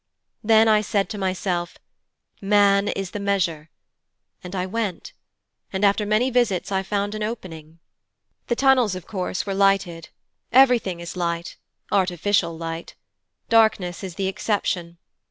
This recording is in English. Then I said to myself, "Man is the measure", and I went, and after many visits I found an opening. 'The tunnels, of course, were lighted. Everything is light, artificial light; darkness is the exception.